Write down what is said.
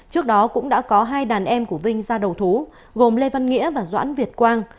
trước đó cũng đã có hai đàn em của vinh ra đầu thú gồm lê văn nghĩa và doãn việt quang